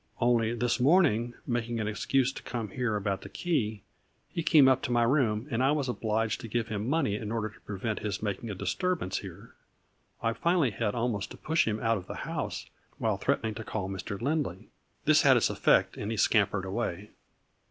Only this morning, making an excuse to come here about the key, he came up to my room, and I was obliged to give him money in order to prevent his making a disturbance here. I finally had A FLURRY IN DIAMONDS. 69 almost to push him out of the house while threatening to call Mr. Lindley. This had its effect and he scampered way."